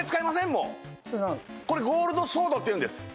もうこれゴールドソードっていうんです